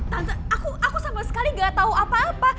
tante aku sama sekali gak tau apa apa